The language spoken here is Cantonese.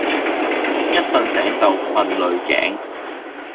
一瞓醒就瞓捩頸